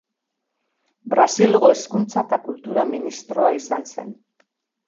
Brasilgo Hezkuntza eta Kultura ministroa izan zen.